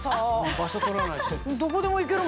場所取らないし。